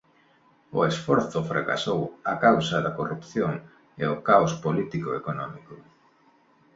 O esforzo fracasou a causa da corrupción e o caos político e económico.